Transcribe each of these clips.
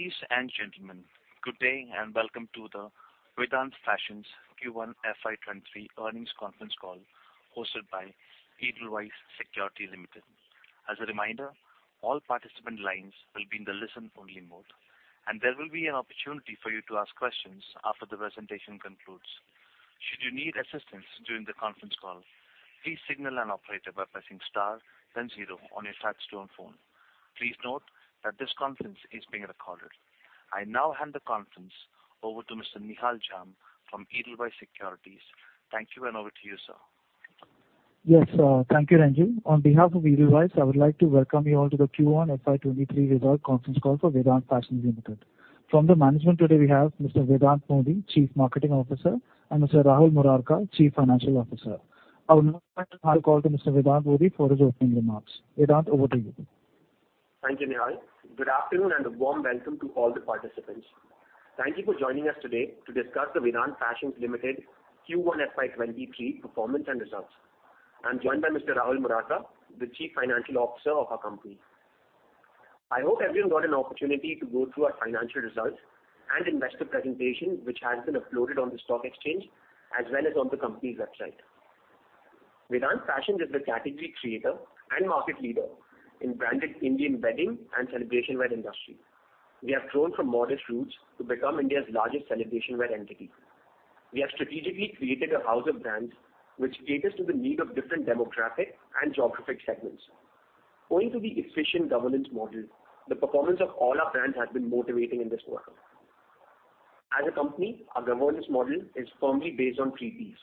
Ladies and gentlemen, good day and welcome to the Vedant Fashions Q1 FY23 earnings conference call hosted by Edelweiss Securities Limited. As a reminder, all participant lines will be in the listen-only mode, and there will be an opportunity for you to ask questions after the presentation concludes. Should you need assistance during the conference call, please signal an operator by pressing star then zero on your touch-tone phone. Please note that this conference is being recorded. I now hand the conference over to Mr. Nihal Jham from Edelweiss Securities. Thank you, and over to you, sir. Yes, thank you, Ranjit. On behalf of Edelweiss, I would like to welcome you all to the Q1 FY23 result conference call for Vedant Fashions Limited. From the management today we have Mr. Vedant Modi, Chief Marketing Officer, and Mr. Rahul Murarka, Chief Financial Officer. I would now like to hand the call to Mr. Vedant Modi for his opening remarks. Vedant, over to you. Thank you, Nihal. Good afternoon and a warm welcome to all the participants. Thank you for joining us today to discuss the Vedant Fashions Limited Q1 FY23 performance and results. I'm joined by Mr. Rahul Murarka, the Chief Financial Officer of our company. I hope everyone got an opportunity to go through our financial results and investor presentation, which has been uploaded on the stock exchange as well as on the company's website. Vedant Fashions is the category creator and market leader in branded Indian wedding and celebration wear industry. We have grown from modest roots to become India's largest celebration wear entity. We have strategically created a house of brands which caters to the need of different demographic and geographic segments. Owing to the efficient governance model, the performance of all our brands has been motivating in this quarter. As a company, our governance model is firmly based on three Ps.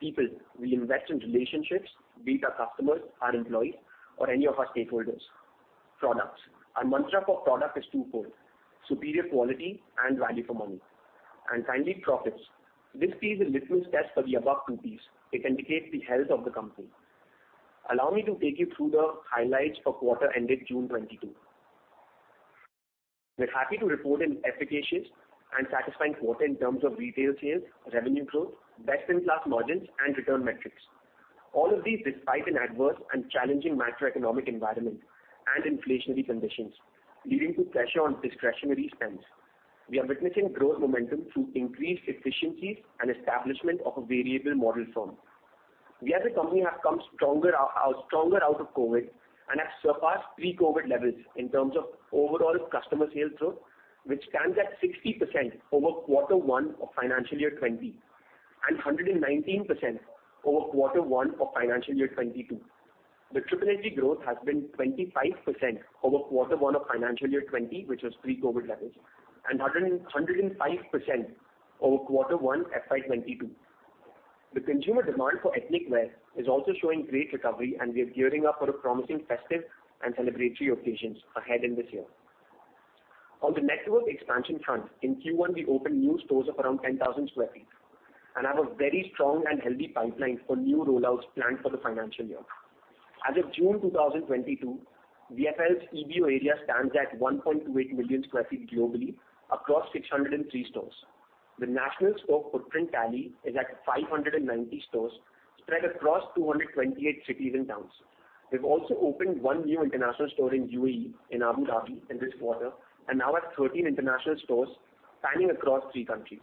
People, we invest in relationships, be it our customers, our employees, or any of our stakeholders. Products, our mantra for product is twofold, superior quality and value for money. Finally, profits. This P is a litmus test for the above two Ps. It indicates the health of the company. Allow me to take you through the highlights for quarter ended June 2022. We're happy to report an efficacious and satisfying quarter in terms of retail sales, revenue growth, best-in-class margins, and return metrics. All of these despite an adverse and challenging macroeconomic environment and inflationary conditions leading to pressure on discretionary spends. We are witnessing growth momentum through increased efficiencies and establishment of a variable model firm. We as a company have come stronger out of COVID and have surpassed pre-COVID levels in terms of overall customer sales growth, which stands at 60% over quarter one of financial year 2020, and 119% over quarter one of financial year 2022. The triple net growth has been 25% over quarter one of financial year 2020, which was pre-COVID levels, and 105% over quarter one FY 2022. The consumer demand for ethnic wear is also showing great recovery, and we are gearing up for a promising festive and celebratory occasions ahead in this year. On the network expansion front, in Q1 we opened new stores of around 10,000 sq ft, and have a very strong and healthy pipeline for new rollouts planned for the financial year. As of June 2022, VFL's EBO area stands at 1.28 million sq ft globally across 603 stores. The national store footprint tally is at 590 stores spread across 228 cities and towns. We've also opened one new international store in U.A.E. in Abu Dhabi in this quarter, and now have 13 international stores spanning across three countries.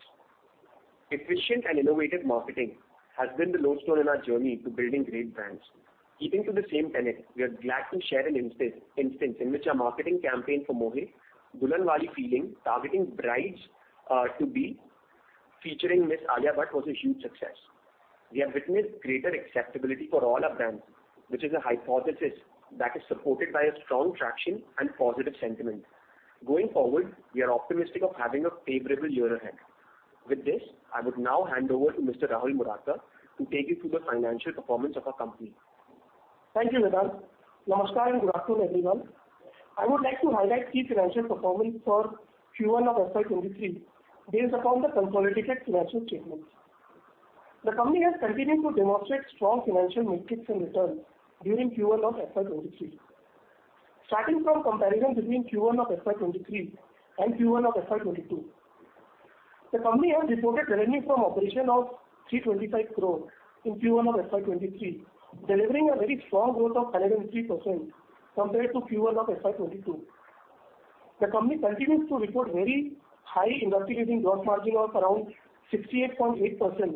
Efficient and innovative marketing has been the lodestone in our journey to building great brands. Keeping to the same tenet, we are glad to share an instance in which our marketing campaign for Mohey, Dulhan Waali Feeling, targeting brides to be featuring Miss Alia Bhatt was a huge success. We have witnessed greater acceptability for all our brands, which is a hypothesis that is supported by a strong traction and positive sentiment. Going forward, we are optimistic of having a favorable year ahead. With this, I would now hand over to Mr. Rahul Murarka to take you through the financial performance of our company. Thank you, Vedant. Namaskar and good afternoon, everyone. I would like to highlight key financial performance for Q1 of FY 2023 based upon the consolidated financial statements. The company has continued to demonstrate strong financial metrics and returns during Q1 of FY 2023. Starting from comparison between Q1 of FY 2023 and Q1 of FY 2022, the company has reported revenue from operations of 325 crore in Q1 of FY 2023, delivering a very strong growth of 103% compared to Q1 of FY 2022. The company continues to report very high industry leading gross margin of around 68.8%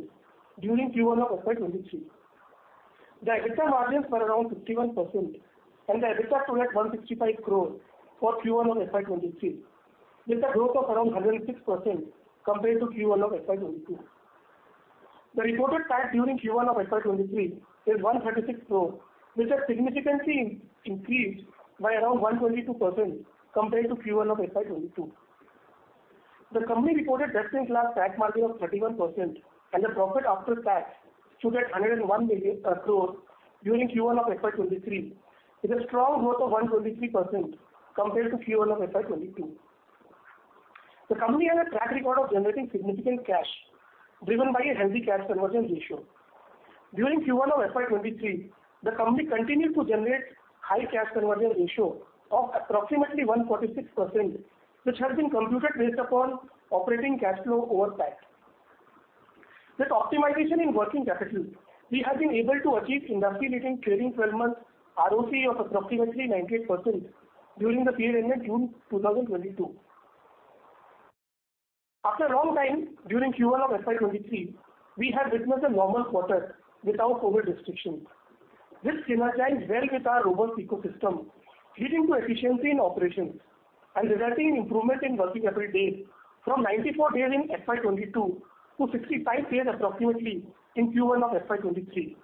during Q1 of FY 2023. The EBITDA margins were around 51% and the EBITDA stood at 165 crore for Q1 of FY 2023 with a growth of around 106% compared to Q1 of FY 2022. The reported tax during Q1 of FY 2023 is 136 crore, which has significantly increased by around 122% compared to Q1 of FY 2022. The company reported best-in-class tax margin of 31% and the profit after tax stood at 101 crore during Q1 of FY 2023 with a strong growth of 123% compared to Q1 of FY 2022. The company has a track record of generating significant cash driven by a healthy cash conversion ratio. During Q1 of FY 2023, the company continued to generate high cash conversion ratio of approximately 146%, which has been computed based upon operating cash flow over tax. With optimization in working capital, we have been able to achieve industry leading trailing twelve months ROCE of approximately 98% during the period ending June 2022. After a long time during Q1 of FY23, we have witnessed a normal quarter without COVID restrictions. This synergized well with our robust ecosystem, leading to efficiency in operations and resulting in improvement in working capital days from 94 days in FY2022 to 65 days approximately in Q1 of FY2023.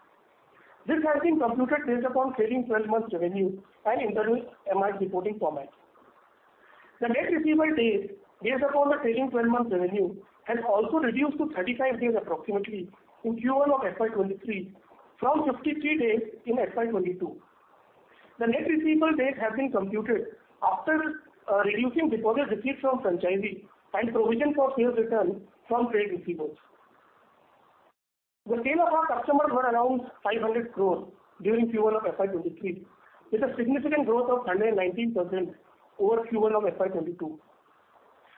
This has been computed based upon trailing 12 months revenue and interim MIS reporting format. The net receivable days based upon the trailing 12 months revenue has also reduced to 35 days approximately in Q1 of FY2023 from 53 days in FY2022. The net receivable days have been computed after reducing deposits received from franchisee and provision for sales return from trade receivables. The sales to our customers were around 500 crore during Q1 of FY2023, with a significant growth of 119% over Q1 of FY22.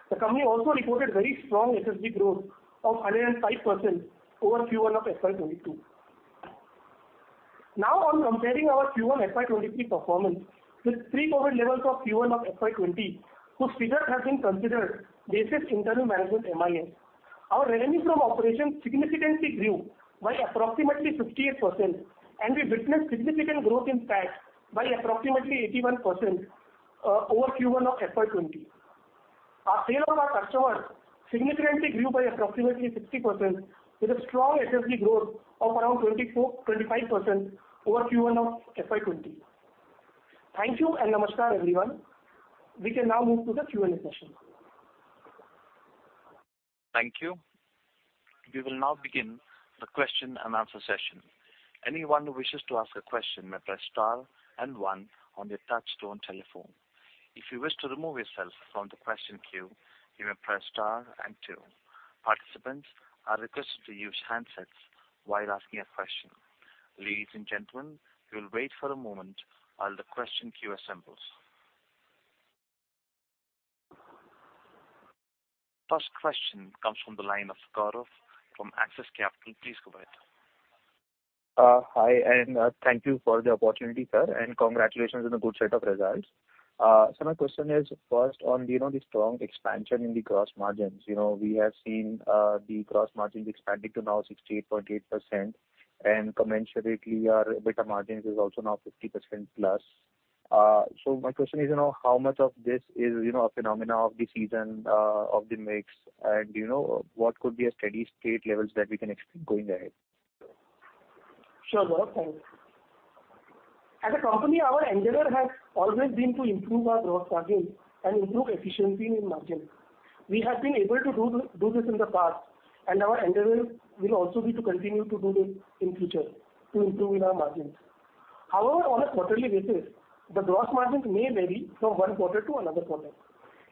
The company also reported very strong SSSG growth of 105% over Q1 of FY2022. Now on comparing our Q1 FY2023 performance with pre-COVID levels of Q1 of FY2020, whose figures have been considered basis interim management MIS, our revenue from operations significantly grew by approximately 58%, and we witnessed significant growth in PAT by approximately 81% over Q1 of FY2020. Our sales to our customers significantly grew by approximately 60% with a strong SSSG growth of around 24-25% over Q1 of FY20. Thank you and namaskar everyone. We can now move to the Q&A session. Thank you. We will now begin the question and answer session. Anyone who wishes to ask a question may press star and one on their touchtone telephone. If you wish to remove yourself from the question queue, you may press star and two. Participants are requested to use handsets while asking a question. Ladies and gentlemen, we'll wait for a moment while the question queue assembles. First question comes from the line of Gaurav from Axis Capital. Please go ahead. Hi, thank you for the opportunity, sir, and congratulations on the good set of results. So my question is, first on, you know, the strong expansion in the gross margins. You know, we have seen the gross margins expanding to now 68.8%, and commensurately your EBITDA margins is also now 50%+. So, my question is, you know, how much of this is, you know, a phenomena of the season, of the mix? You know, what could be a steady state levels that we can expect going ahead? Sure, Gaurav. Thanks. As a company, our endeavor has always been to improve our gross margin and improve efficiency in margin. We have been able to do this in the past, and our endeavor will also be to continue to do this in future to improve in our margins. However, on a quarterly basis, the gross margins may vary from one quarter to another quarter,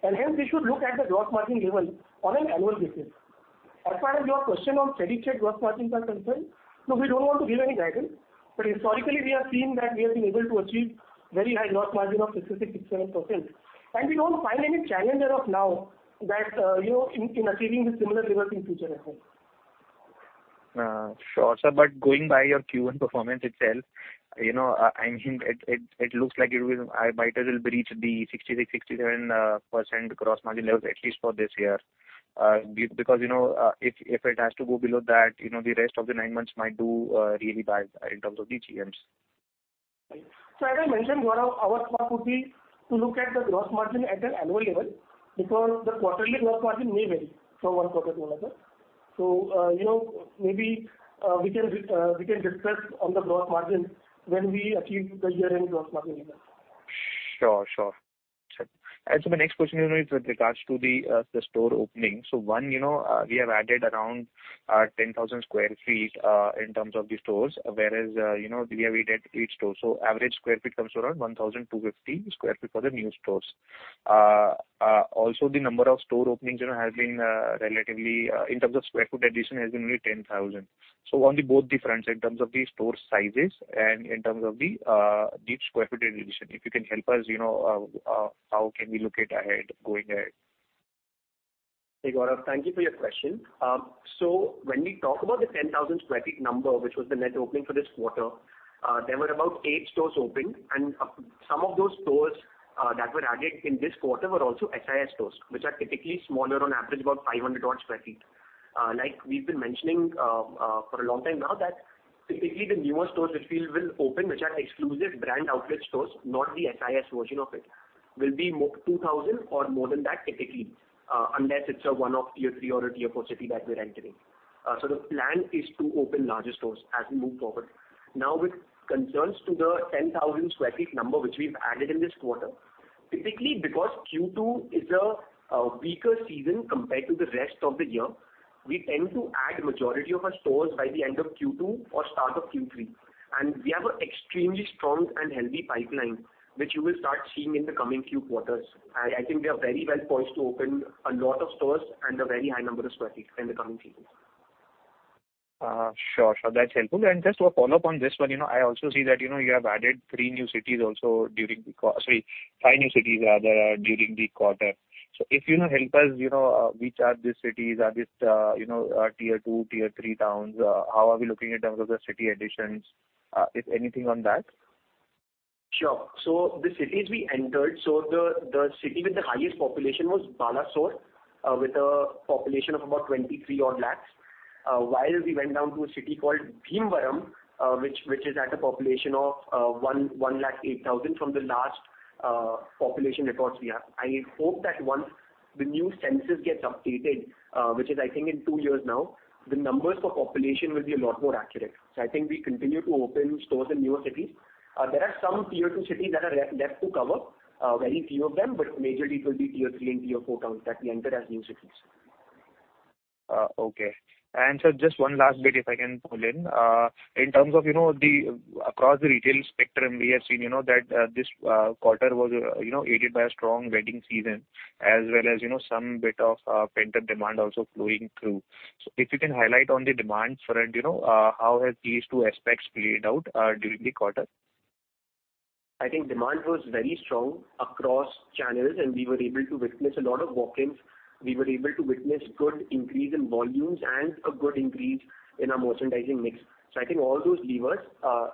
and hence we should look at the gross margin level on an annual basis. As far as your question on steady state gross margins are concerned, no, we don't want to give any guidance, but historically we have seen that we have been able to achieve very high gross margin of 66%-67%, and we don't find any challenge as of now that, you know, in achieving the similar results in future, I think. Sure, sir. Going by your Q1 performance itself, you know, I mean, it looks like you might as well breach the 66%-67% gross margin levels at least for this year. Because, you know, if it has to go below that, you know, the rest of the nine months might do really bad in terms of the GMs. As I mentioned, Gaurav, our thought would be to look at the gross margin at an annual level, because the quarterly gross margin may vary from one quarter to another. You know, maybe we can discuss on the gross margin when we achieve the year-end gross margin level. Sure, sure. My next question, you know, is with regards to the store opening. One, you know, we have added around 10,000 sq ft in terms of the stores, whereas, you know, we have eight stores. Average sq ft comes around 1,250 sq ft for the new stores. Also, the number of store openings, you know, has been relatively in terms of sq ft addition has been only 10,000. On both the fronts in terms of the store sizes and in terms of the sq ft addition, if you can help us, you know, how can we look ahead, going ahead? Hey, Gaurav. Thank you for your question. So when we talk about the 10,000 sq ft number, which was the net opening for this quarter, there were about eight stores opened, and some of those stores that were added in this quarter were also SIS stores, which are typically smaller on average about 500 odd sq ft. Like we've been mentioning for a long time now that, typically, the newer stores which we will open, which are exclusive brand outlet stores, not the SIS version of it, will be 2,000 or more than that typically, unless it's a one-off tier 3 or a tier 4 city that we're entering. So, the plan is to open larger stores as we move forward. Now, with concerns to the 10,000 sq ft number which we've added in this quarter, typically because Q2 is a weaker season compared to the rest of the year, we tend to add majority of our stores by the end of Q2 or start of Q3. We have an extremely strong and healthy pipeline which you will start seeing in the coming few quarters. I think we are very well poised to open a lot of stores and a very high number of square feet in the coming seasons. Sure. That's helpful. Just to follow up on this one, you know, I also see that, you know, you have added three new cities also during the—sorry, five new cities rather, during the quarter. If you know, help us, you know, which are the cities, just, you know, tier 2, tier 3 towns? How are we looking in terms of the city additions? If anything on that. Sure. The cities we entered, the city with the highest population was Balasore, with a population of about 23 odd lakhs. While we went down to a city called Bhimavaram, which is at a population of 1 lakh 8,000 from the last population records we have. I hope that once the new census gets updated, which is I think in two years now, the numbers for population will be a lot more accurate. I think we continue to open stores in newer cities. There are some tier 2 cities that are left to cover, very few of them, but majority it will be tier 3 and tier 4 towns that we enter as new cities. Okay. Just one last bit, if I can pull in. In terms of, you know, across the retail spectrum, we have seen, you know, that this quarter was, you know, aided by a strong wedding season as well as, you know, some bit of pent-up demand also flowing through. If you can highlight on the demand front, you know, how have these two aspects played out during the quarter? I think demand was very strong across channels, and we were able to witness a lot of walk-ins. We were able to witness good increase in volumes and a good increase in our merchandising mix. I think all those levers,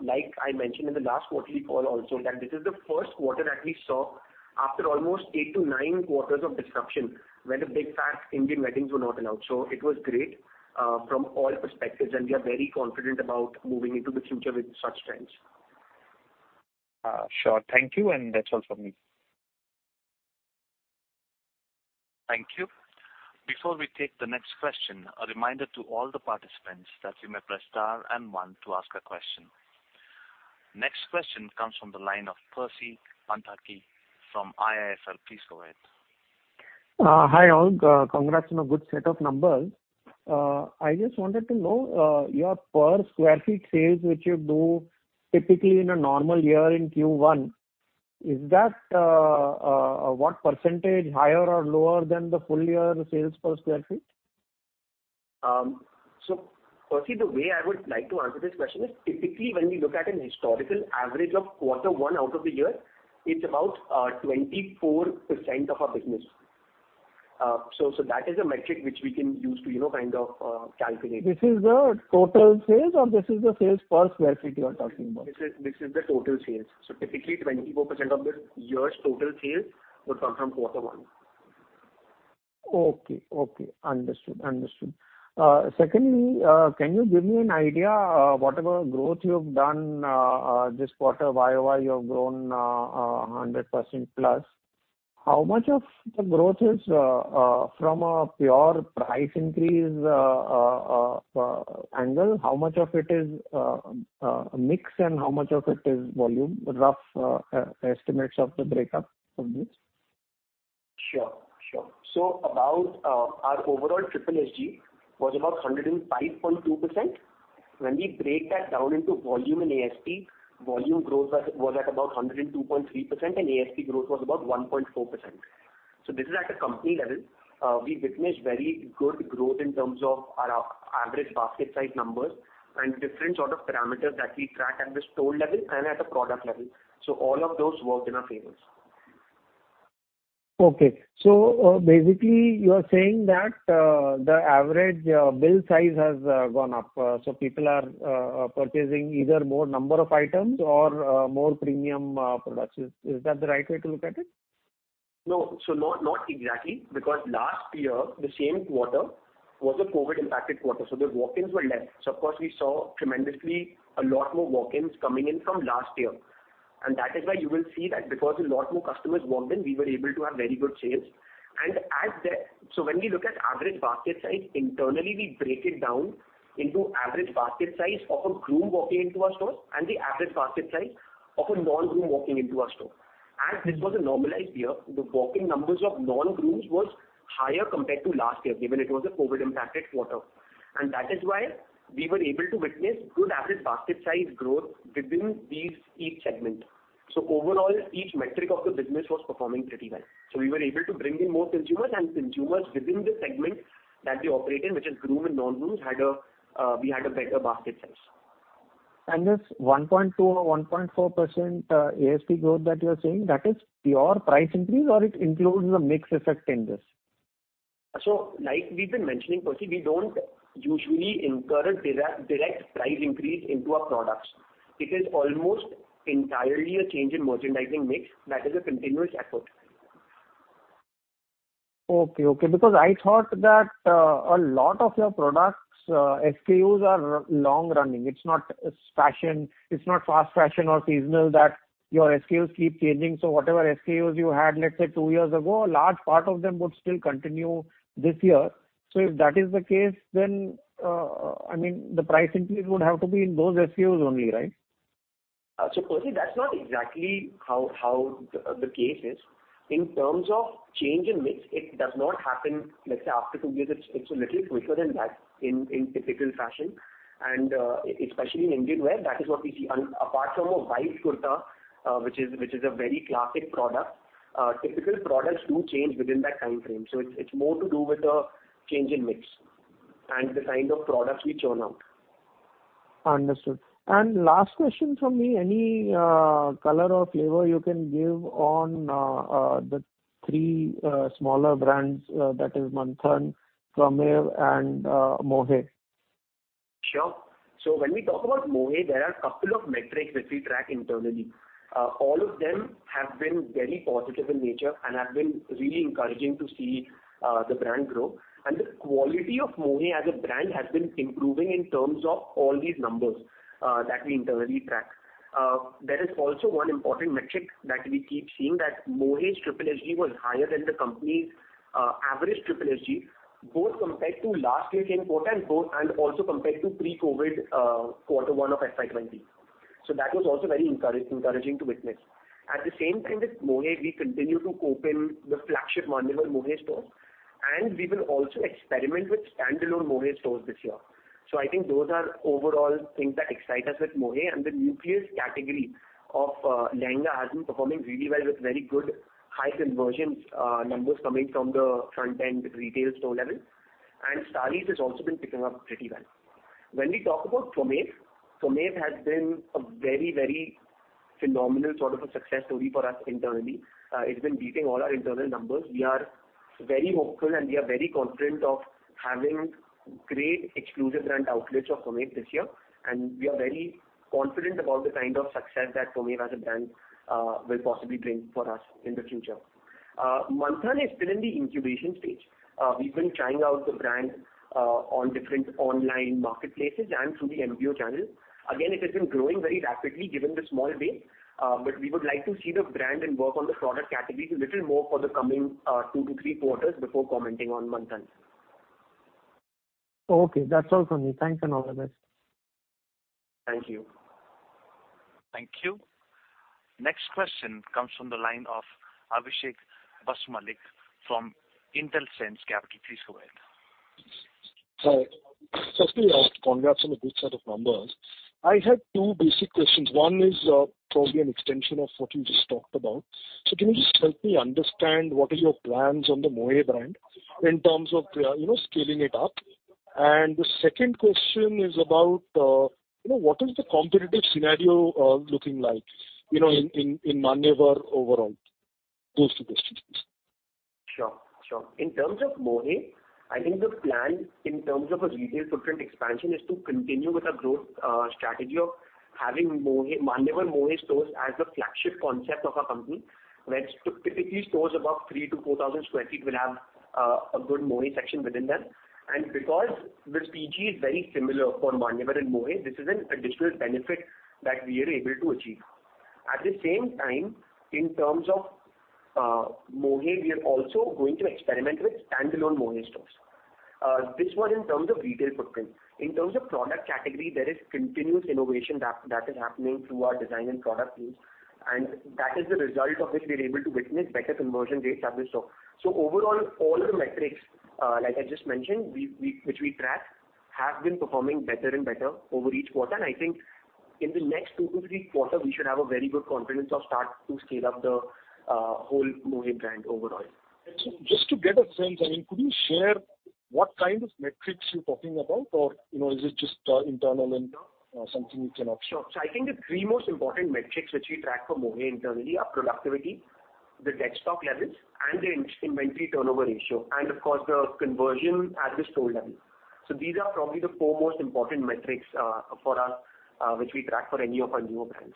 like I mentioned in the last quarterly call also, that this is the first quarter that we saw after almost 8 quarters-9 quarters of disruption, where the big fat Indian weddings were not allowed. It was great, from all perspectives, and we are very confident about moving into the future with such trends. Sure. Thank you. That's all from me. Thank you. Before we take the next question, a reminder to all the participants that you may press star and one to ask a question. Next question comes from the line of Percy Panthaki from IIFL. Please go ahead. Hi all. Congrats on a good set of numbers. I just wanted to know, your per square feet sales, which you do typically in a normal year in Q1, is that what percentage higher or lower than the full year sales per square feet? Percy, the way I would like to answer this question is, typically when we look at a historical average of quarter one out of the year, it's about 24% of our business. That is a metric which we can use to, you know, kind of calculate. This is the total sales or this is the sales per square feet you are talking about? This is the total sales. Typically 24% of the year's total sales would come from quarter one. Okay. Understood. Secondly, can you give me an idea, whatever growth you've done this quarter, why you have grown 100%+? How much of the growth is from a pure price increase angle? How much of it is mix and how much of it is volume? Rough estimates of the breakup of this. Sure. Our overall SSSG was about 105.2%. When we break that down into volume and ASP, volume growth was at about 102.3% and ASP growth was about 1.4%. This is at a company level. We witnessed very good growth in terms of our average basket size numbers and different sort of parameters that we track at the store level and at a product level. All of those worked in our favors. Basically, you are saying that the average bill size has gone up so people are purchasing either more number of items or more premium products. Is that the right way to look at it? No. Not exactly, because last year the same quarter was a COVID impacted quarter, so the walk-ins were less. Of course, we saw tremendously a lot more walk-ins coming in from last year. That is why you will see that because a lot more customers walked in, we were able to have very good sales. When we look at average basket size, internally we break it down into average basket size of a groom walking into our stores, and the average basket size of a non-groom walking into our store. As this was a normalized year, the walk-in numbers of non-grooms was higher compared to last year, given it was a COVID impacted quarter. That is why we were able to witness good average basket size growth within these, each segment. Overall, each metric of the business was performing pretty well. We were able to bring in more consumers and consumers within the segment that we operate in, which is groom and non-grooms, we had a better basket size. This 1.2% or 1.4% ASP growth that you are saying, that is pure price increase or it includes the mix effect in this? Like we've been mentioning, Percy, we don't usually incur a direct price increase into our products. It is almost entirely a change in merchandising mix that is a continuous effort. Okay. Because I thought that, a lot of your products, SKUs are long running. It's not fashion, it's not fast fashion or seasonal that your SKUs keep changing. Whatever SKUs you had, let's say two years ago, a large part of them would still continue this year. If that is the case, then, I mean, the price increase would have to be in those SKUs only, right? Percy, that's not exactly how the case is. In terms of change in mix, it does not happen, let's say after two years, it's a little quicker than that in typical fashion. Especially in Indian wear, that is what we see. Apart from a white kurta, which is a very classic product, typical products do change within that time frame. It's more to do with the change in mix and the kind of products we churn out. Understood. Last question from me. Any color or flavor you can give on the three smaller brands, that is Manthan, Twamev, and Mohey? Sure. When we talk about Mohey, there are a couple of metrics which we track internally. All of them have been very positive in nature and have been really encouraging to see the brand grow. The quality of Mohey as a brand has been improving in terms of all these numbers that we internally track. There is also one important metric that we keep seeing, that Mohey's SSSG was higher than the company's average SSSG, both compared to last year's quarter-on-quarter, and also compared to pre-COVID quarter one of FY 2020. That was also very encouraging to witness. At the same time, with Mohey, we continue to open the flagship Manyavar Mohey stores, and we will also experiment with standalone Mohey stores this year. I think those are overall things that excite us with Mohey. The nucleus category of Lehenga has been performing really well with very good high conversion numbers coming from the front-end retail store level. Sarees has also been picking up pretty well. When we talk about Twamev, Twamev has been a very, very phenomenal sort of a success story for us internally. It's been beating all our internal numbers. We are very hopeful, and we are very confident of having great exclusive brand outlets of Twamev this year, and we are very confident about the kind of success that Twamev as a brand will possibly bring for us in the future. Manthan is still in the incubation stage. We've been trying out the brand on different online marketplaces and through the MBO channel. Again, it has been growing very rapidly given the small base, but we would like to see the brand and work on the product categories a little more for the coming two to three quarters before commenting on Manthan. Okay, that's all from me. Thanks, and all the best. Thank you. Thank you. Next question comes from the line of Abhishek Basumallick from Intelsense Capital. Please go ahead. Hi. Firstly, congrats on a good set of numbers. I had two basic questions. One is, probably an extension of what you just talked about. Can you just help me understand what are your plans on the Mohey brand in terms of, you know, scaling it up? And the second question is about, you know, what is the competitive scenario looking like, you know, in Manyavar overall? Those two questions please. Sure. In terms of Mohey, I think the plan in terms of a retail footprint expansion is to continue with our growth strategy of having Manyavar Mohey stores as the flagship concept of our company, where typically stores above 3,000-4,000 sq ft will have a good Mohey section within them. Because the TG is very similar for Manyavar and Mohey, this is an additional benefit that we are able to achieve. At the same time, in terms of Mohey, we are also going to experiment with standalone Mohey stores. This one in terms of retail footprint. In terms of product category, there is continuous innovation that is happening through our design and product teams, and that is the result of which we are able to witness better conversion rates at the store. Overall, all the metrics, like I just mentioned, which we track, have been performing better and better over each quarter. I think in the next two to three quarters, we should have a very good confidence of start to scale up the whole Mohey brand overall. Just to get a sense, I mean, could you share what kind of metrics you're talking about? Or, you know, is it just internal and something which you cannot share? Sure. I think the three most important metrics which we track for Mohey internally are productivity, the stock levels, and the inventory turnover ratio, and of course, the conversion at the store level. These are probably the four most important metrics for us, which we track for any of our newer brands.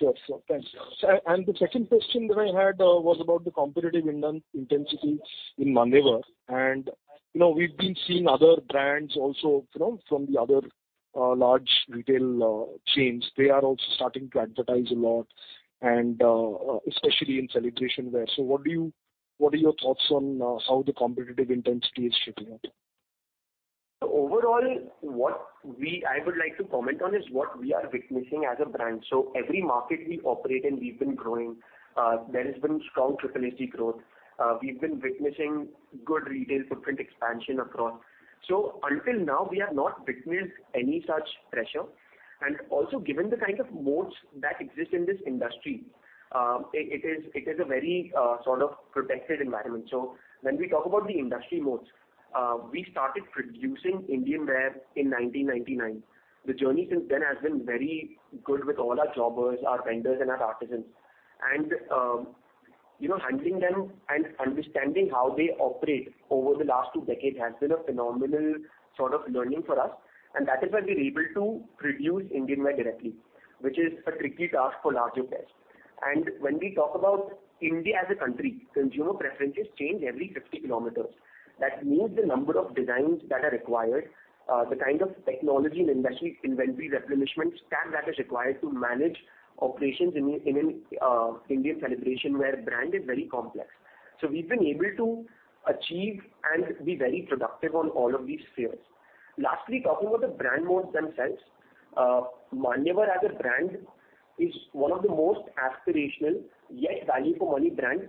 Sure. Thanks. The second question that I had was about the competitive intensity in Manyavar. You know, we've been seeing other brands also, you know, from the other large retail chains. They are also starting to advertise a lot and especially in celebration wear. What are your thoughts on how the competitive intensity is shaping up? Overall, I would like to comment on is what we are witnessing as a brand. Every market we operate in, we've been growing. There has been strong SSSG growth. We've been witnessing good retail footprint expansion across. Until now, we have not witnessed any such pressure. Also, given the kind of moats that exist in this industry, it is a very sort of protected environment. When we talk about the industry moats, we started producing Indian wear in 1999. The journey since then has been very good with all our jobbers, our vendors, and our artisans. You know, handling them and understanding how they operate over the last two decades has been a phenomenal sort of learning for us, and that is why we're able to produce Indian wear directly, which is a tricky task for larger players. When we talk about India as a country, consumer preferences change every 50 kilometers. That means the number of designs that are required, the kind of technology and industry inventory replenishment stack, that is required to manage operations in an Indian celebration wear brand is very complex. We've been able to achieve and be very productive on all of these spheres. Lastly, talking about the brand moats themselves, Manyavar as a brand is one of the most aspirational, yet value for money brand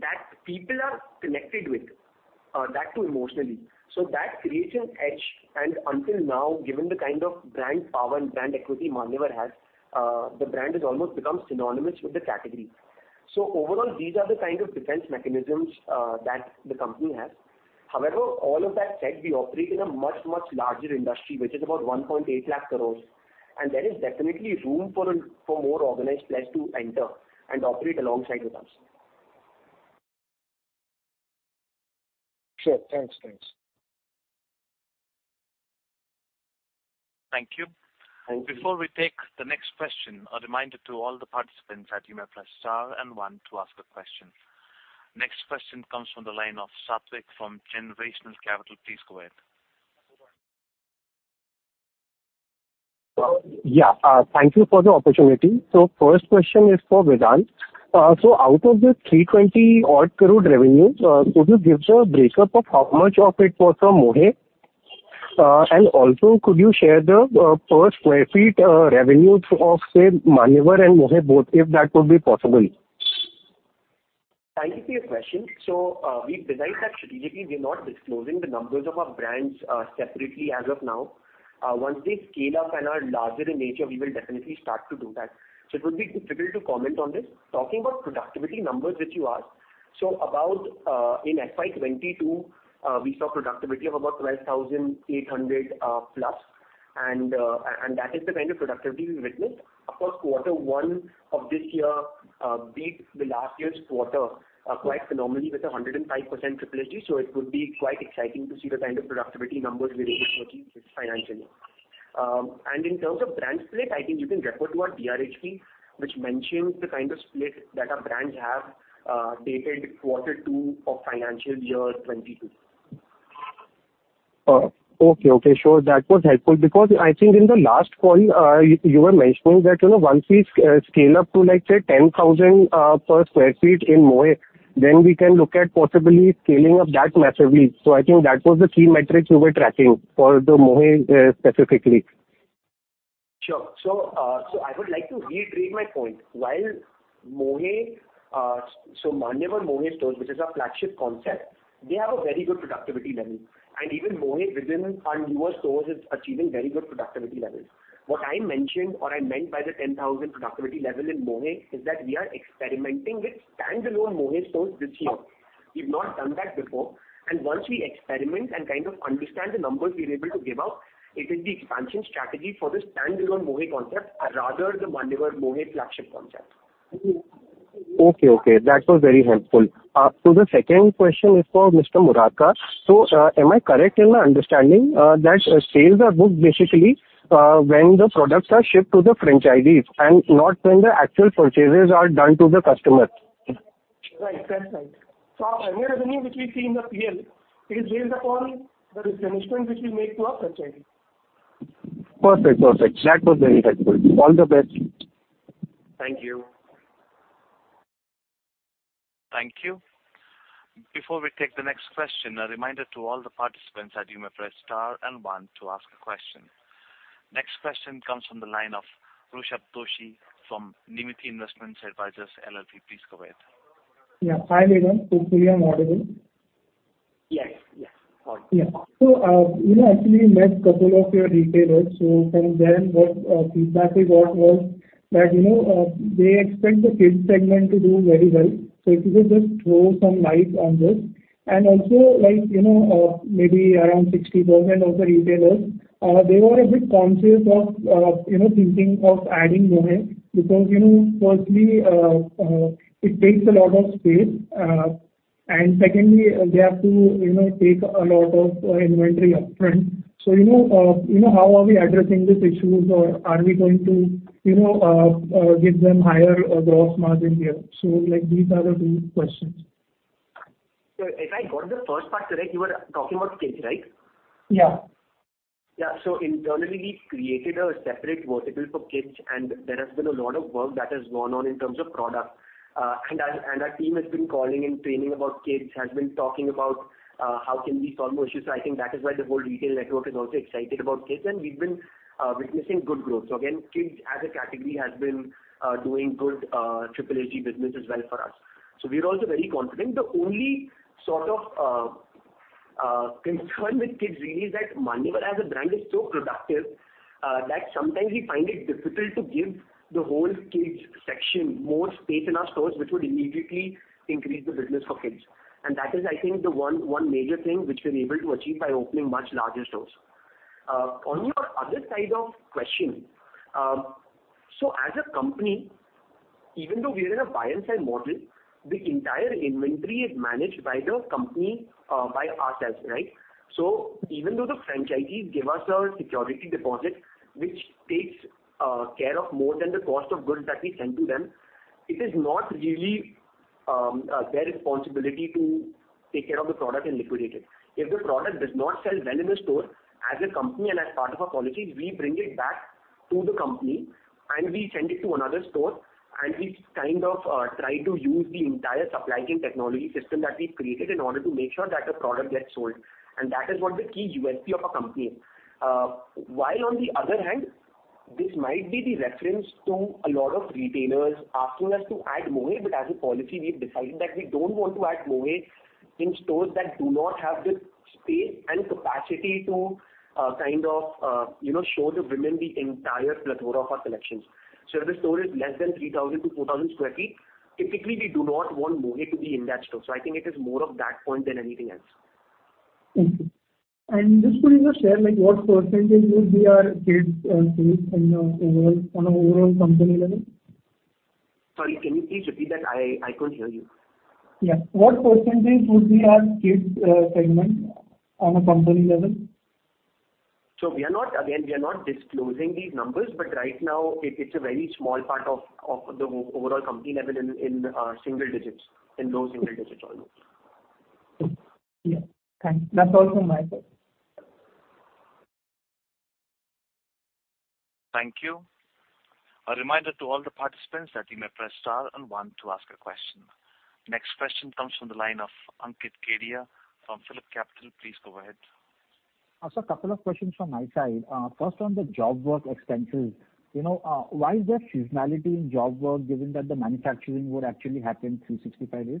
that people are connected with, that too emotionally. That creates an edge. Until now, given the kind of brand power and brand equity Manyavar has, the brand has almost become synonymous with the category. Overall, these are the kind of defense mechanisms that the company has. However, all of that said, we operate in a much, much larger industry, which is about 1.8 lakh crores, and there is definitely room for more organized players to enter and operate alongside with us. Sure. Thanks. Thank you. Thank you. Before we take the next question, a reminder to all the participants that you may press star and one to ask a question. Next question comes from the line of Satvik from Generational Capital. Please go ahead. Thank you for the opportunity. First question is for Vedant. Out of the 320-odd crore revenue, could you give the breakup of how much of it was from Mohey? And also could you share the per sq ft revenue of, say, Manyavar and Mohey both, if that would be possible. Thank you for your question. We've decided that strategically we're not disclosing the numbers of our brands separately as of now. Once they scale up and are larger in nature, we will definitely start to do that. It would be difficult to comment on this. Talking about productivity numbers which you asked, so about in FY 2022, we saw productivity of about 12,800+ and that is the kind of productivity we've witnessed. Of course, quarter one of this year beat the last year's quarter quite phenomenally with 105% SSSG. It would be quite exciting to see the kind of productivity numbers we're able to achieve this financial year. In terms of brand split, I think you can refer to our DRHP, which mentions the kind of split that our brands have, dated quarter two of financial year 2022. Okay. Sure. That was helpful because I think in the last call, you were mentioning that, you know, once we scale up to, like, say, 10,000 per sq ft in Mohey, then we can look at possibly scaling up that massively. I think that was the key metric you were tracking for the Mohey, specifically. Sure. I would like to reiterate my point. While Mohey, Manyavar Mohey stores, which is our flagship concept, they have a very good productivity level. Even Mohey within our newer stores is achieving very good productivity levels. What I mentioned, or I meant by the 10,000 productivity level in Mohey, is that we are experimenting with standalone Mohey stores this year. We've not done that before. Once we experiment and kind of understand the numbers we're able to give out, it is the expansion strategy for the standalone Mohey concept rather the Manyavar Mohey flagship concept. Okay. That was very helpful. The second question is for Mr. Murarka. Am I correct in my understanding that sales are booked basically when the products are shipped to the franchisees, and not when the actual purchases are done to the customer? Right. That's right. Our revenue which we see in the P&L is based upon the replenishment which we make to our franchisee. Perfect. That was very helpful. All the best. Thank you. Thank you. Before we take the next question, a reminder to all the participants that you may press star and one to ask a question. Next question comes from the line of Rushabh Doshi from Nirmiti Investments Advisors LLP. Please go ahead. Yeah. Hi, Vedant. Hope I am audible. Yes. Yes. Yeah. You know, actually we met couple of your retailers. From them what feedback we got was that, you know, they expect the kids segment to do very well. If you could just throw some light on this. Also, like, you know, maybe around 60% of the retailers, they were a bit conscious of, you know, thinking of adding Mohey because, you know, firstly, it takes a lot of space. And secondly, they have to, you know, take a lot of inventory upfront. You know, how are we addressing these issues, or are we going to, you know, give them higher gross margin here? Like, these are the two questions. If I got the first part correct, you were talking about kids, right? Yeah. Yeah. Internally, we've created a separate vertical for kids, and there has been a lot of work that has gone on in terms of product. And our team has been calling and training about kids, has been talking about how can we solve issues. I think that is why the whole retail network is also excited about kids, and we've been witnessing good growth. Again, kids as a category has been doing good SSSG business as well for us. We're also very confident. The only sort of concern with kids really is that Manyavar as a brand is so productive, that sometimes we find it difficult to give the whole kids section more space in our stores, which would immediately increase the business for kids. That is I think the one major thing which we're able to achieve by opening much larger stores. On the other side of your question, so as a company, even though we are in a buy and sell model, the entire inventory is managed by the company, by ourselves, right? So even though the franchisees give us a security deposit which takes care of more than the cost of goods that we send to them, it is not really their responsibility to take care of the product and liquidate it. If the product does not sell well in the store, as a company and as part of our policy, we bring it back to the company, and we send it to another store. We kind of try to use the entire supply chain technology system that we've created in order to make sure that the product gets sold. That is what the key USP of our company is. While on the other hand, this might be the reference to a lot of retailers asking us to add Mohey, but as a policy we've decided that we don't want to add Mohey in stores that do not have the space and capacity to, kind of, you know, show the women the entire plethora of our collections. If the store is less than 3,000-4,000 sq ft, typically we do not want Mohey to be in that store. I think it is more of that point than anything else. Thank you. Just could you just share, like, what percentage would be our kids sales on a overall company level? Sorry, can you please repeat that? I couldn't hear you. Yeah. What percentage would be our kids segment on a company level? Again, we are not disclosing these numbers, but right now it's a very small part of the overall company level in single digits. In low single digits almost. Yeah. Thanks. That's all from my side. Thank you. A reminder to all the participants that you may press star and one to ask a question. Next question comes from the line of Ankit Kedia from Phillip Capital. Please go ahead. Sir, couple of questions from my side. First on the job work expenses, you know, why is there seasonality in job work given that the manufacturing would actually happen 365 days?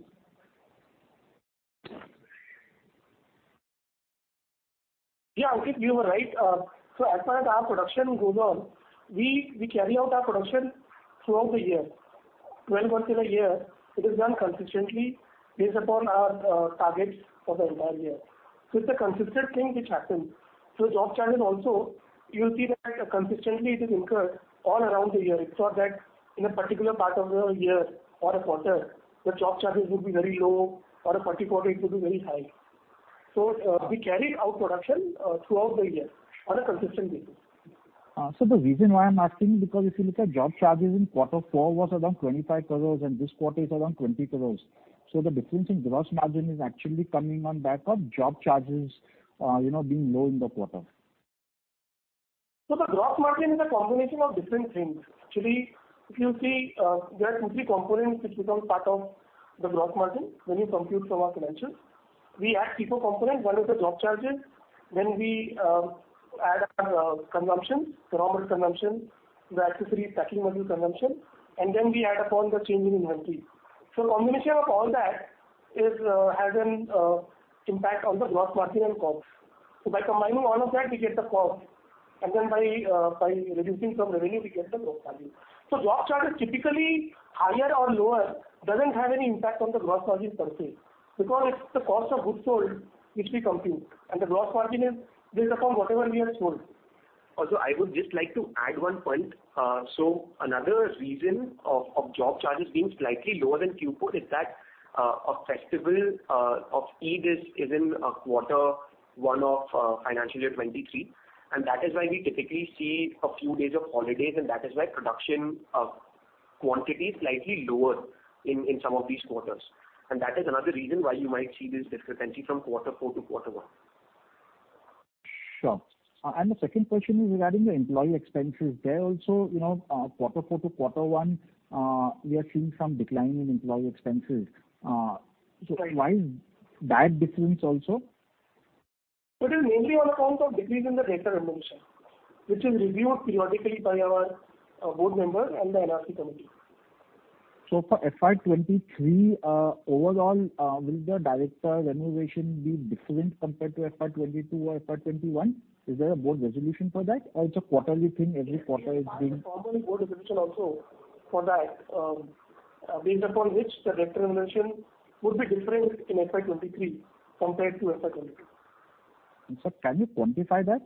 Yeah, Ankit, you are right. As far as our production goes on, we carry out our production throughout the year. Twelve months in a year it is done consistently based upon our targets for the entire year. It's a consistent thing which happens. Job charges also, you'll see that consistently it is incurred all around the year. It's not that in a particular part of the year or a quarter the job charges would be very low, or a particular quarter it would be very high. We carry out production throughout the year on a consistent basis. The reason why I'm asking because if you look at job charges in quarter four was around 25 crores and this quarter is around 20 crores. The difference in gross margin is actually coming on back of job charges, you know, being low in the quarter. The gross margin is a combination of different things. Actually, if you see, there are two, three components which become part of the gross margin when you compute from our financials. We add people component. One is the job charges. Then we add our consumption, the raw material consumption, the accessories, packing material consumption, and then we add upon the change in inventory. Combination of all that has an impact on the gross margin and costs. By combining all of that we get the cost. Then by reducing from revenue, we get the gross value. Job charges typically higher or lower doesn't have any impact on the gross margin per se, because it's the cost of goods sold which we compute, and the gross margin is built upon whatever we have sold. Also, I would just like to add one point. Another reason of job charges being slightly lower than Q4 is that a festival of Eid is in quarter one of financial year 2023, and that is why we typically see a few days of holidays, and that is why production quantity is slightly lower in some of these quarters. That is another reason why you might see this discrepancy from quarter four to quarter one. Sure. The second question is regarding the employee expenses. There also, you know, quarter four to quarter one, we are seeing some decline in employee expenses. Right. Why that difference also? It is mainly on account of decrease in the director remuneration, which is reviewed periodically by our board members and the NRC committee. For FY2023 overall, will the director remuneration be different compared to FY2022 or FY2021? Is there a board resolution for that or it's a quarterly thing, every quarter is being... There is normally board resolution also for that, based upon which the director remuneration would be different in FY 2023 compared to FY 2022. Sir, can you quantify that?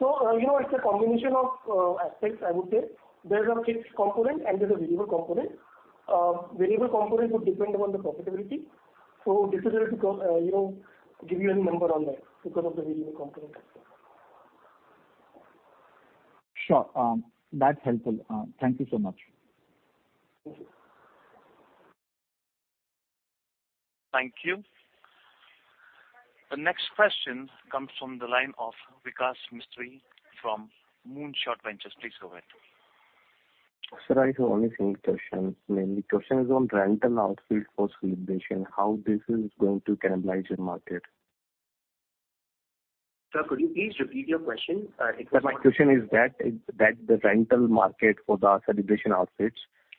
You know, it's a combination of aspects, I would say. There's a fixed component and there's a variable component. Variable component would depend upon the profitability. So difficult, you know, to give you any number on that because of the variable component. Sure. That's helpful. Thank you so much. Thank you. Thank you. The next question comes from the line of Vikas Mistry from Moonshot Ventures. Please go ahead. Sir, I have only a few questions. Mainly, the question is on rental outfit for celebration, how this is going to cannibalize your market? Sir, could you please repeat your question? It was. Sir, my question is that, is that the rental market for the celebration outfits,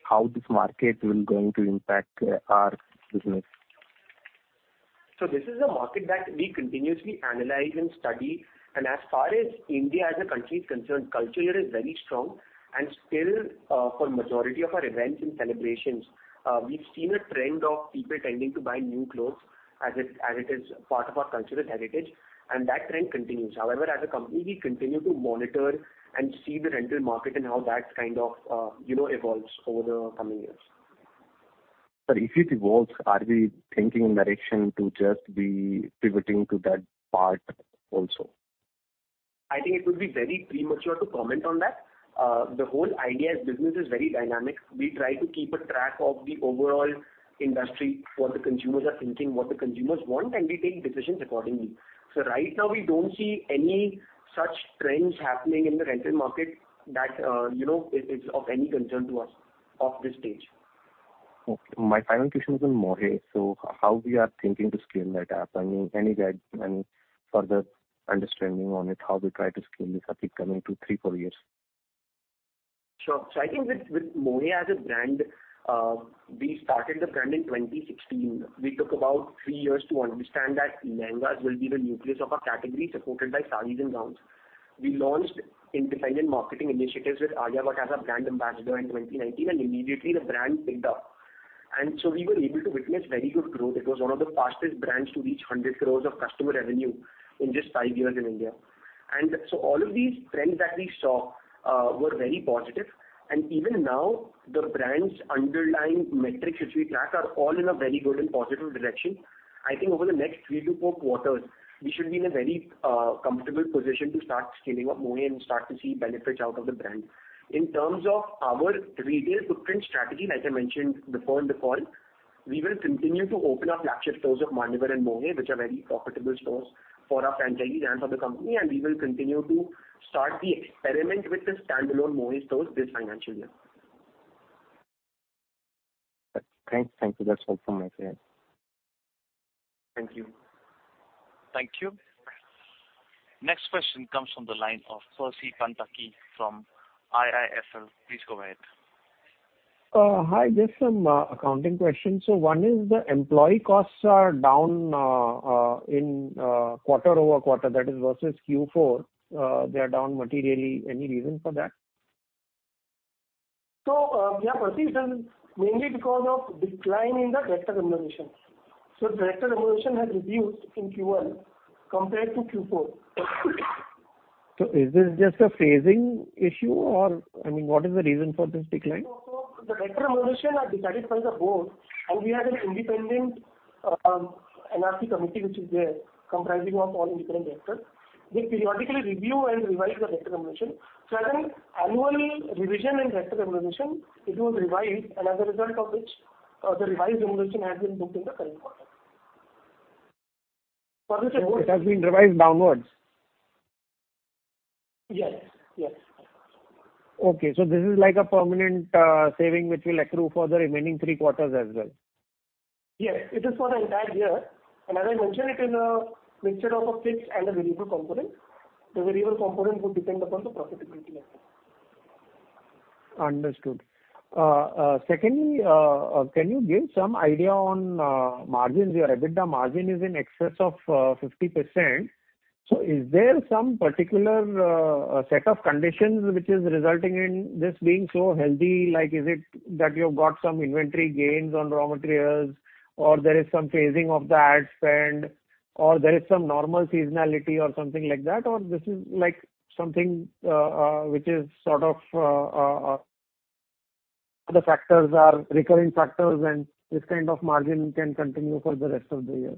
how this market will going to impact, our business? This is a market that we continuously analyze and study. As far as India as a country is concerned, culture here is very strong. Still, for majority of our events and celebrations, we've seen a trend of people tending to buy new clothes, as it is part of our cultural heritage, and that trend continues. However, as a company, we continue to monitor and see the rental market and how that kind of, you know, evolves over the coming years. Sir, if it evolves, are we thinking in direction to just be pivoting to that part also? I think it would be very premature to comment on that. The whole idea is business is very dynamic. We try to keep a track of the overall industry, what the consumers are thinking, what the consumers want, and we take decisions accordingly. Right now, we don't see any such trends happening in the rental market that is of any concern to us at this stage. Okay. My final question is on Mohey. How we are thinking to scale that up? I mean, any guide, any further understanding on it, how we try to scale this up, it coming to three to four years? Sure. I think with Mohey as a brand, we started the brand in 2016. We took about three years to understand that Lehengas will be the nucleus of our category, supported by sarees and gowns. We launched independent marketing initiatives with Alia Bhatt as our brand ambassador in 2019, and immediately the brand picked up. We were able to witness very good growth. It was one of the fastest brands to reach 100 crore of customer revenue in just five years in India. All of these trends that we saw were very positive. Even now, the brand's underlying metrics which we track are all in a very good and positive direction. I think over the next three to four quarters, we should be in a very comfortable position to start scaling up Mohey and start to see benefits out of the brand. In terms of our retail footprint strategy, like I mentioned before in the call, we will continue to open up flagship stores of Manyavar and Mohey, which are very profitable stores for our franchisees and for the company, and we will continue to start the experiment with the standalone Mohey stores this financial year. Great. Thank you. That's all from my side. Thank you. Thank you. Next question comes from the line of Percy Panthaki from IIFL. Please go ahead. Hi. Just some accounting questions. One is the employee costs are down in quarter-over-quarter. That is versus Q4, they are down materially. Any reason for that? Percy, this is mainly because of decline in the director remuneration. Director remuneration has reduced in Q1 compared to Q4. Is this just a phasing issue, or, I mean, what is the reason for this decline? The director remuneration are decided by the board, and we have an independent NRC committee comprising of all independent directors. They periodically review and revise the director remuneration. I think annual revision in director remuneration, it was revised, and as a result of which, the revised remuneration has been booked in the current quarter. It has been revised downwards? Yes. Yes. Okay, this is like a permanent saving which will accrue for the remaining three quarters as well. Yes. It is for the entire year. As I mentioned, it is a mixture of a fixed and a variable component. The variable component would depend upon the profitability level. Understood. Secondly, can you give some idea on margins? Your EBITDA margin is in excess of 50%. Is there some particular set of conditions which is resulting in this being so healthy? Like, is it that you've got some inventory gains on raw materials, or there is some phasing of the ad spend, or there is some normal seasonality or something like that? Or this is like something which is sort of the factors are recurring factors and this kind of margin can continue for the rest of the year?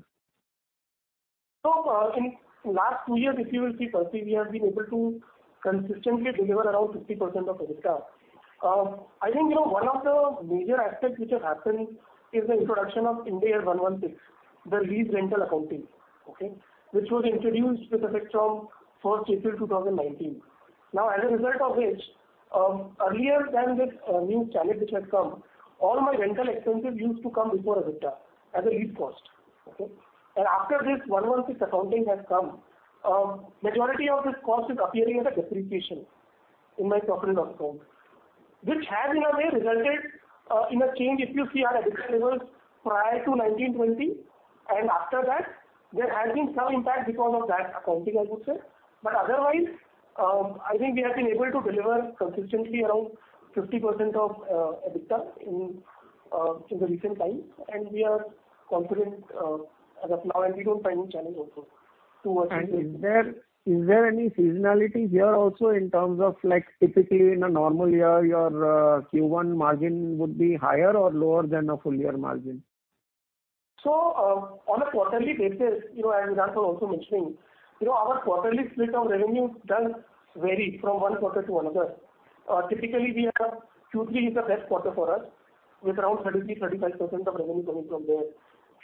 In last two years, if you will see, Percy, we have been able to consistently deliver around 50% of EBITDA. I think, you know, one of the major aspects which has happened is the introduction of Ind AS 116, the lease rental accounting, okay? Which was introduced with effect from first April 2019. Now, as a result of which, earlier than this new change which has come, all my rental expenses used to come before EBITDA as a lease cost. Okay? After this Ind AS 116 accounting has come, majority of this cost is appearing as a depreciation in my profit and loss account, which has in a way resulted in a change if you see our EBITDA levels prior to 2019-2020. After that, there has been some impact because of that accounting, I would say. Otherwise, I think we have been able to deliver consistently around 50% of EBITDA in the recent times. We are confident as of now, and we don't see any challenge also towards this. Is there any seasonality here also in terms of, like, typically in a normal year, your Q1 margin would be higher or lower than a full year margin? On a quarterly basis, you know, as Rahul also mentioning, you know, our quarterly split of revenue does vary from one quarter to another. Typically, we have Q3 is the best quarter for us, with around 30-35% of revenue coming from there.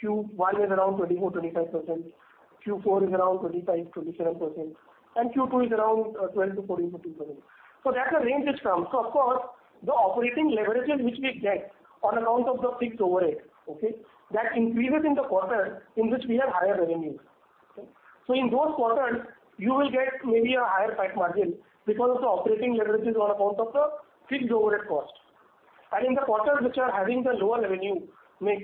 Q1 is around 24-25%. Q4 is around 25-27%. Q2 is around 12-14%. That's the range which comes. Of course, the operating leverages which we get on account of the fixed overhead, okay, that increases in the quarter in which we have higher revenues. Okay. In those quarters, you will get maybe a higher PAT margin because of the operating leverages on account of the fixed overhead cost. In the quarters which are having the lower revenue mix,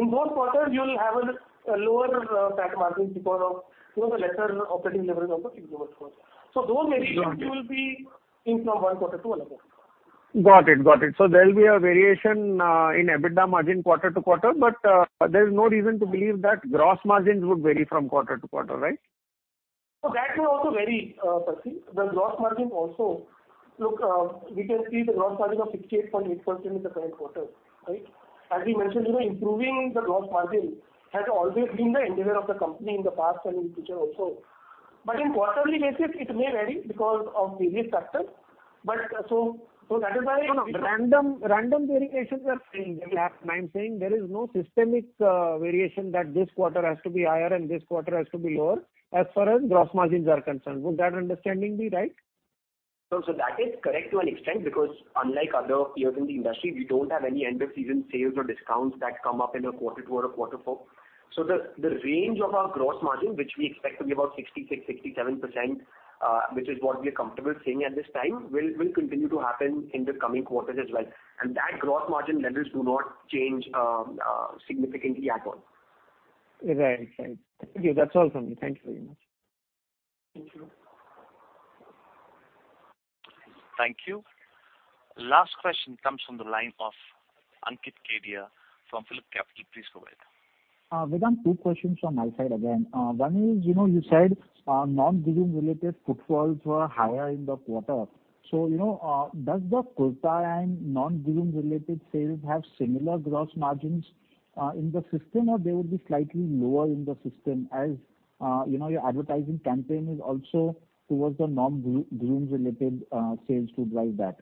in those quarters you will have a lower PAT margin because of, you know, the lesser operating leverage of the fixed overhead cost. Those may be. Got it. It will be in from one quarter to another. Got it. There'll be a variation in EBITDA margin quarter to quarter, but there's no reason to believe that gross margins would vary from quarter to quarter, right? That will also vary, Percy. The gross margin also. Look, we can see the gross margin of 68.8% in the current quarter, right? As we mentioned, you know, improving the gross margin has always been the endeavor of the company in the past and in future also. In quarterly basis, it may vary because of various factors. That is why. No, no. Random variations are seen. I'm saying there is no systemic variation that this quarter has to be higher and this quarter has to be lower, as far as gross margins are concerned. Would that understanding be right? That is correct to an extent because unlike other peers in the industry, we don't have any end of season sales or discounts that come up in a quarter two or a quarter four. The range of our gross margin, which we expect to be about 66%-67%, which is what we are comfortable seeing at this time, will continue to happen in the coming quarters as well. That gross margin levels do not change significantly at all. Right, right. Thank you. That's all from me. Thank you very much. Thank you. Thank you. Last question comes from the line of Ankit Kedia from Phillip Capital. Please go ahead. Vedant, two questions from my side again. One is, you know, you said non-groom related footfalls were higher in the quarter. You know, does the kurta and non-groom related sales have similar gross margins in the system, or they will be slightly lower in the system as, you know, your advertising campaign is also towards the non-groom related sales to drive that?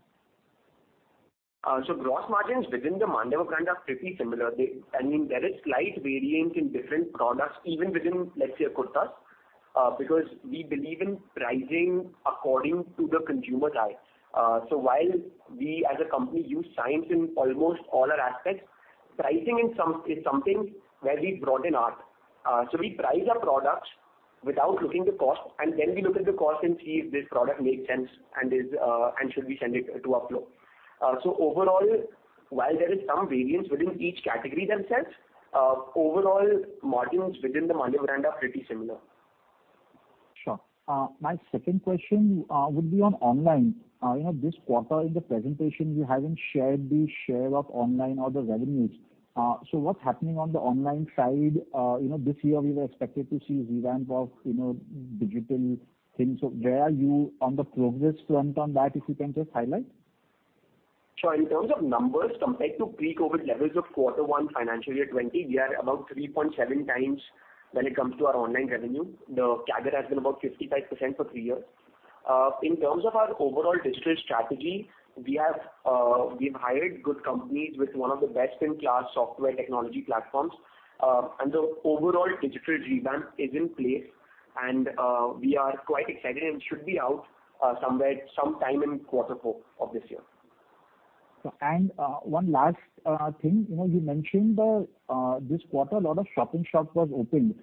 Gross margins within the Manyavar brand are pretty similar. I mean, there is slight variance in different products, even within, let's say, kurtas, because we believe in pricing according to the consumer type. While we as a company use science in almost all our aspects, pricing in some is something where we brought in art. We price our products without looking at the cost, and then we look at the cost and see if this product makes sense and should we send it to our floor. Overall, while there is some variance within each category themselves, overall margins within the Manyavar brand are pretty similar. Sure. My second question would be on online. You know, this quarter in the presentation, you haven't shared the share of online or the revenues. What's happening on the online side? You know, this year we were expected to see revamp of, you know, digital things. Where are you on the progress front on that, if you can just highlight? Sure. In terms of numbers, compared to pre-COVID levels of quarter one financial year 2020, we are about 3.7x when it comes to our online revenue. The CAGR has been about 55% for three years. In terms of our overall digital strategy, we've hired good companies with one of the best-in-class software technology platforms. The overall digital revamp is in place, and we are quite excited and should be out somewhere, sometime in quarter four of this year. One last thing. You know, you mentioned this quarter a lot of shop-in-shop was opened.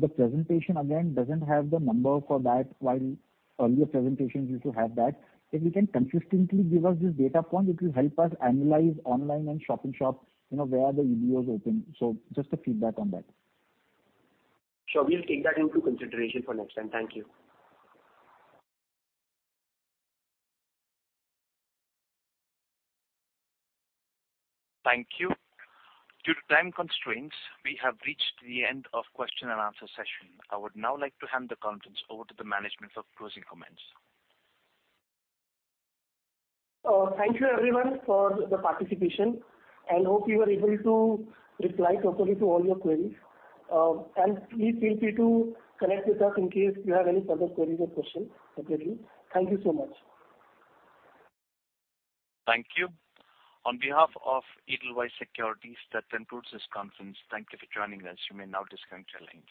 The presentation again doesn't have the number for that, while earlier presentations used to have that. If you can consistently give us this data point, it will help us analyze online and shop-in-shop, you know, where the EBOs open. Just a feedback on that. Sure. We'll take that into consideration for next time. Thank you. Thank you. Due to time constraints, we have reached the end of question and answer session. I would now like to hand the conference over to the management for closing comments. Thank you everyone for the participation and hope we were able to reply properly to all your queries. Please feel free to connect with us in case you have any further queries or questions. Definitely. Thank you so much. Thank you. On behalf of Edelweiss Securities, that concludes this conference. Thank you for joining us. You may now disconnect your lines.